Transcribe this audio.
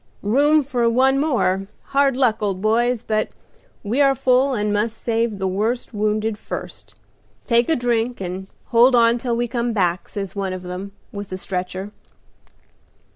"'Room for one more. Hard luck, old boys, but we are full and must save the worst wounded first. Take a drink, and hold on till we come back,' says one of them with the stretcher.